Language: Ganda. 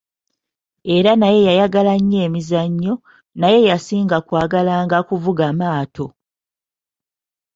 Era naye yayagala nnyo emizannyo, naye yasinga kwagalanga kuvuga maato.